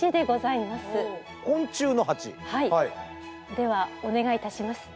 ではお願いいたします。